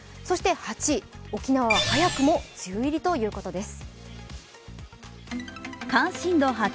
８位、沖縄は早くも梅雨入りということです。